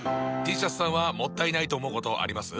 Ｔシャツさんはもったいないと思うことあります？